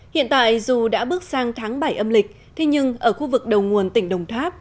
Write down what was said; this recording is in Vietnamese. hiện tại dù đã bước sang tháng bảy âm lịch thế nhưng ở khu vực đầu nguồn tỉnh đồng tháp